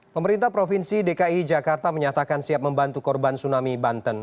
pemerintah provinsi dki jakarta menyatakan siap membantu korban tsunami banten